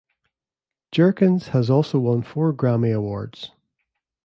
Jerkins has also won four Grammy Awards.